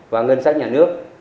và ngân sách nhà nước